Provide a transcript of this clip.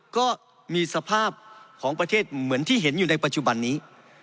ก็มีสภาพของประเทศเหมือนที่เห็นอยู่ในปัจจุบันนี้